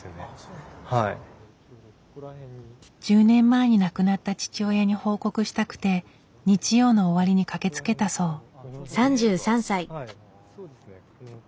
１０年前に亡くなった父親に報告したくて日曜の終わりに駆けつけたそう。